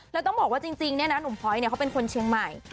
แล้วต้องบอกว่าจริงเนี่ยนะหนุ่มพลอยเขาเป็นคนเชียงใหม่